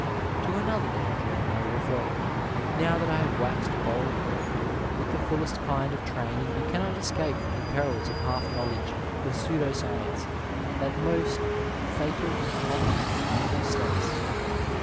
To another danger I may refer, now that I have waxed bold. With the fullest kind of training you cannot escape from the perils of half knowledge, of pseudo science, that most &tal and common of mental states.